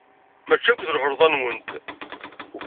Maci akk d lɣelḍa-nwent.